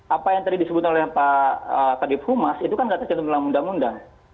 apa yang tadi disebut oleh pak kadif humas itu kan berarti jantung dalam undang undang